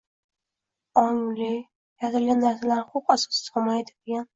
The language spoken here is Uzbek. ongli, yaratilgan narsalarni huquq asosida himoya etadigan